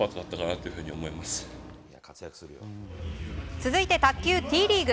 続いて、卓球Ｔリーグ。